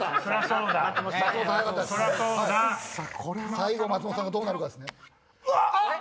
最後松本さんがどうなるか。